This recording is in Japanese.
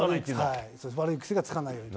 悪い癖がつかないようにと。